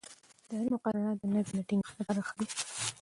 اداري مقررات د نظم د ټینګښت لپاره دي.